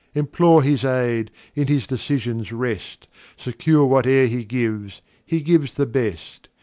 Implore his Aid, in his Decisions rest, Secure whate'er he gives, he gives the best.